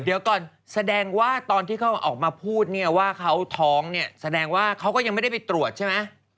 เดี๋ยวก่อนแสดงว่าตอนที่เขาออกมาพูดเนี่ยว่าเขาท้องเนี่ยแสดงว่าเขาก็ยังไม่ได้ไปตรวจใช่ไหม